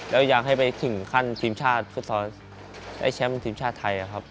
แล้วอยากให้ไปถึงขั้นทีมชาติฟุตซอลไอ้แชมป์ทีมชาติไทยครับ